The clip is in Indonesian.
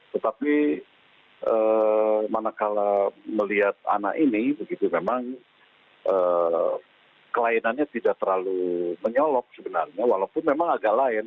tetapi manakala melihat anak ini begitu memang kelainannya tidak terlalu menyolok sebenarnya walaupun memang agak lain